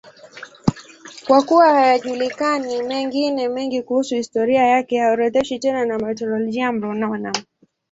Kwa kuwa hayajulikani mengine mengi kuhusu historia yake, haorodheshwi tena na Martyrologium Romanum.